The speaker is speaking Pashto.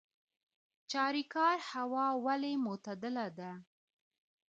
چاریکار هوا ولې معتدله ده؟